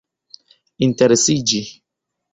interesiĝi